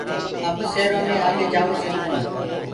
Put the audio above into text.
اب سيرو مي آگي جآوو سئي ڪونآ۔